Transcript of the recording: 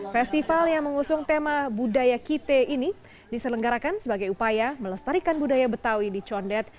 festival yang mengusung tema budaya kite ini diselenggarakan sebagai upaya melestarikan budaya betawi di condet